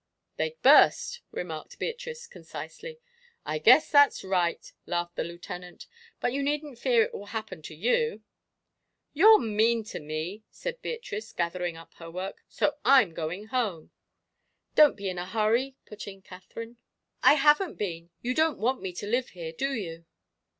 "They'd burst," remarked Beatrice, concisely. "I guess that's right," laughed the Lieutenant; "but you needn't fear it will happen to you." "You're mean to me," said Beatrice, gathering up her work, "so I'm going home." "Don't be in a hurry," put in Katherine. "I haven't been you don't want me to live here, do you?"